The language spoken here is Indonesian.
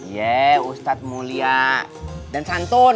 ye ustadz mulia dan santun